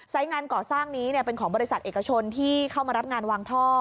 งานก่อสร้างนี้เป็นของบริษัทเอกชนที่เข้ามารับงานวางท่อ